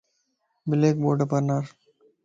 بليڪ بورڊ پار نار.